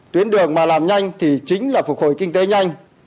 tuyến đường mà làm nhanh thì chính là phục hồi kinh tế nhanh